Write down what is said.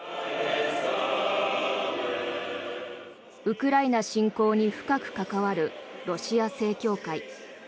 ウクライナ侵攻に深く関わるロシア正教会。